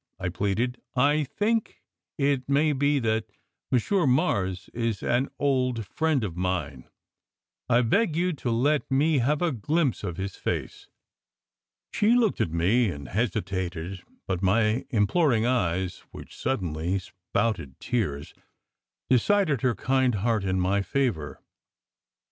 I pleaded. "I think it may be that Monsieur Mars is an old friend of mine. I beg you to let me have a glimpse of his face!" She looked at me and hesitated; but my imploring eyes, which suddenly spouted tears, decided her kind heart in my favour.